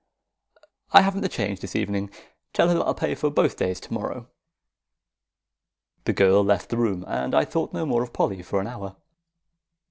"I haven't the change this evening. Tell her that I'll pay for both days to morrow." The girl left the room, and I thought no more of Polly for an hour.